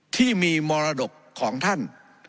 ที่มีมรดกของท่าน